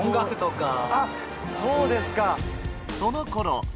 あっそうですか。